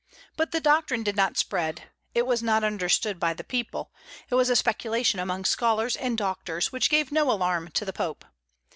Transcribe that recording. But the doctrine did not spread; it was not understood by the people, it was a speculation among scholars and doctors, which gave no alarm to the Pope.